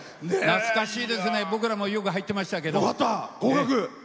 懐かしいですね、僕らもよく履いてましたけども。